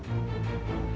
kalo diambil semua